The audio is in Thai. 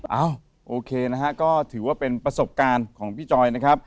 เอ้าโอเคนะฮะก็ถือว่าเป็นประสบการณ์ของพี่จอยนะครับ